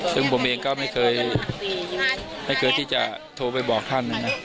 ซึ่งผมเองก็ไม่เคยที่จะโทรไปบอกท่านนะครับ